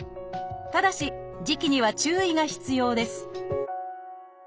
ただし時期には注意が必要です